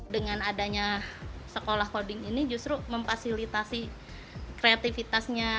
dengan adanya sekolah coding ini justru memfasilitasi kreativitasnya